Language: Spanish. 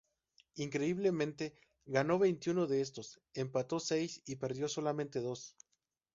Increíblemente, ganó veintiuno de estos, empató seis y perdió solamente dos.